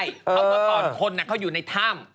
เขาก่อนคนเขาอยู่ในถ้ำ